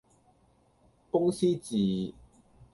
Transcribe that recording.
公司治